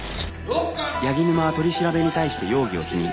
柳沼は取り調べに対して容疑を否認。